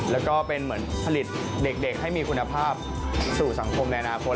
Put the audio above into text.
แล้วก็เป็นเหมือนผลิตเด็กให้มีคุณภาพสู่สังคมในอนาคต